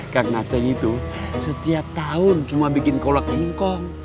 kang aceh itu setiap tahun cuma bikin kolak singkong